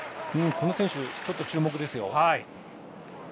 この選手、注目ですよ。